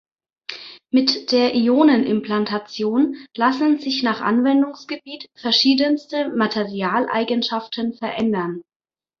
Mit der Ionenimplantation lassen sich nach Anwendungsgebiet verschiedenste Materialeigenschaften verändern.